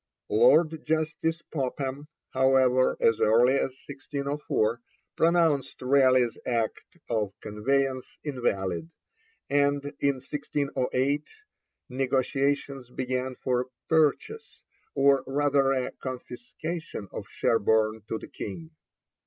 Lord Justice Popham, however, as early as 1604, pronounced Raleigh's act of conveyance invalid, and in 1608 negotiations began for a 'purchase,' or rather a confiscation of Sherborne to the King.